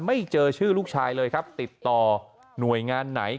ไม่เจอชื่อลูกชายเลยครับติดต่อหน่วยงานไหน